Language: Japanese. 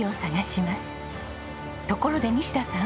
ところで西田さん。